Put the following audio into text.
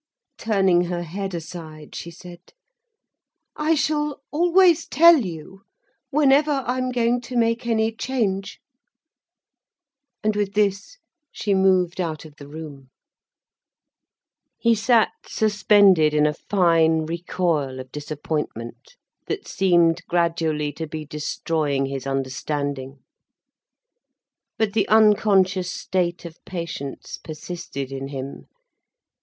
Turning her head aside, she said: "I shall always tell you, whenever I am going to make any change—" And with this she moved out of the room. He sat suspended in a fine recoil of disappointment, that seemed gradually to be destroying his understanding. But the unconscious state of patience persisted in him.